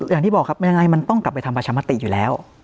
อย่างที่บอกครับยังไงมันต้องกลับไปทำประชามติอยู่แล้ว